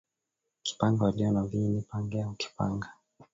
kipanga walio na viini pange au kipanga